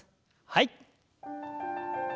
はい。